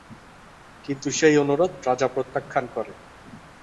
কিন্তু সেই অনুরোধ রাজা প্রত্যাখ্যান করে।